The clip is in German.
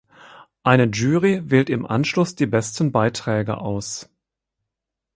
Eine Jury wählt im Anschluss die besten Beiträge aus.